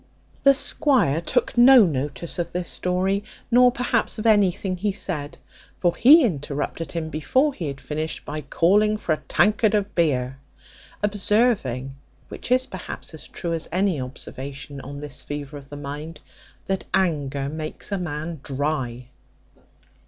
The squire took no notice of this story, nor perhaps of anything he said; for he interrupted him before he had finished, by calling for a tankard of beer; observing (which is perhaps as true as any observation on this fever of the mind) that anger makes a man dry.